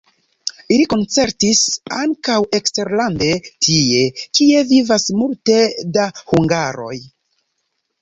Ili koncertis ankaŭ eksterlande tie, kie vivas multe da hungaroj.